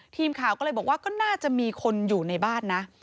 ทีมข่าวก็เลยบอกว่าก็น่าจะมีคนอยู่ในบ้านนะ